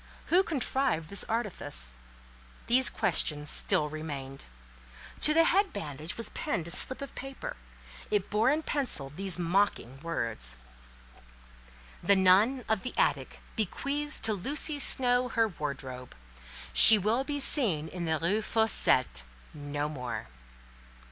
Who contrived this artifice? These questions still remained. To the head bandage was pinned a slip of paper: it bore in pencil these mocking words— "The nun of the attic bequeaths to Lucy Snowe her wardrobe. She will be seen in the Rue Fossette no more."